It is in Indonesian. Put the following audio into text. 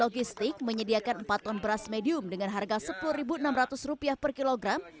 logistik menyediakan empat ton beras medium dengan harga rp sepuluh enam ratus per kilogram